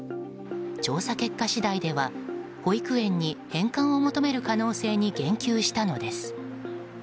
調査結果次第では保育園に返還を求める可能性に言及したのです。